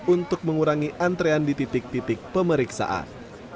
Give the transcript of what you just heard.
untuk mengurangi antrean di titik titik pemeriksaan